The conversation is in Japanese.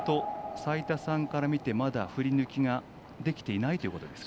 齋田さんから見てまだ振り抜きができていないということですか。